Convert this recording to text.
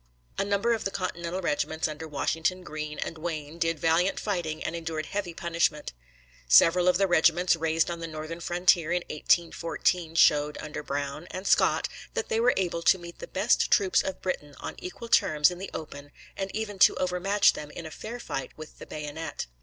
A number of the Continental regiments under Washington, Greene, and Wayne did valiant fighting and endured heavy punishment. Several of the regiments raised on the northern frontier in 1814 showed, under Brown and Scott, that they were able to meet the best troops of Britain on equal terms in the open, and even to overmatch them in fair fight with the bayonet.